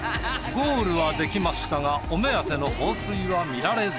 ゴールはできましたがお目当ての放水は見られず。